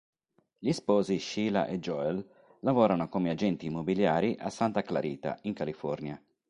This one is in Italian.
Gli sposi Sheila e Joel lavorano come agenti immobiliari a Santa Clarita, in California.